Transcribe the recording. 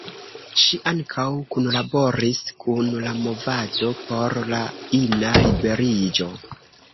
Ŝi ankaŭ kunlaboris kun la movado por la ina liberiĝo.